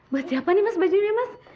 buat siapa nih mas bajunya mas